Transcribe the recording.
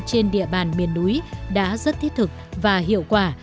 trên địa bàn miền núi đã rất thiết thực và hiệu quả